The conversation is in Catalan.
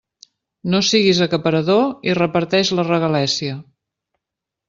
No siguis acaparador i reparteix la regalèssia.